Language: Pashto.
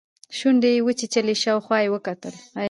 شونډې يې وچيچلې شاوخوا يې وکتل.